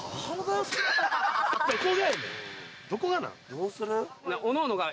どうする？